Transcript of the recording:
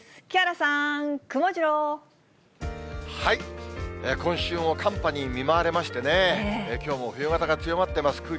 木原さん、今週も寒波に見舞われましてね、きょうも冬型が強まってます。